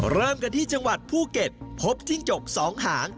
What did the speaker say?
เริ่มกันที่จังหวัดภูเก็ตพบจิ้งจก๒หาง